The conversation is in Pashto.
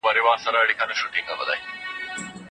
خپل زراعتي محصولات په ښه بیه وپلورئ.